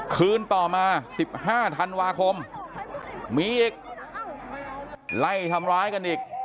คืนต่อมา๑๕ธันวาคมมีอีกไล่ทำร้ายกันอีก